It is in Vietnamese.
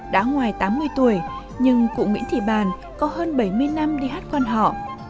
đã ngoài tám mươi tuổi nhưng cụ nguyễn thị bàn có hơn bảy mươi năm đi hát quan họ